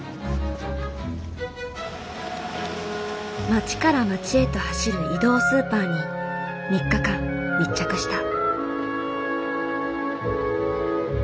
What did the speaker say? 町から町へと走る移動スーパーに３日間密着した。